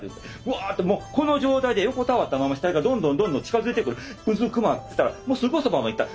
ワーってもうこの状態で横たわったまま死体がどんどん近づいてくるうずくまってたらすごいそばまで来た。